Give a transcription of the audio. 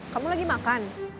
kamu lagi makan